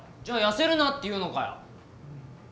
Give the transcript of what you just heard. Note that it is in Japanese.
じゃあ痩せるなって言うのかよ。